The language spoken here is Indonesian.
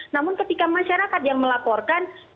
namun ketika masyarakat yang melaporkan